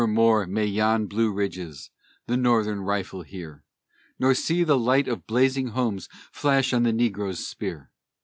Nevermore may yon Blue Ridges the Northern rifle hear, Nor see the light of blazing homes flash on the negro's spear.